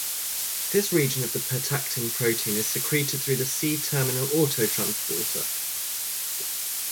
This region of the pertactin protein is secreted through the C-terminal autotransporter.